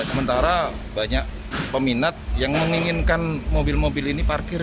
sementara banyak peminat yang menginginkan mobil mobil ini parkir